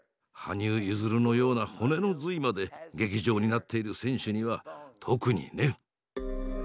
羽生結弦のような骨の髄まで「劇場」になっている選手には特にね。